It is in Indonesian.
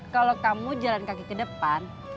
kalau kamu jalan kaki ke depan